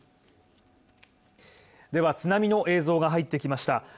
では津波の映像が入ってきました。